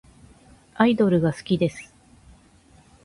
アイドルが好きです。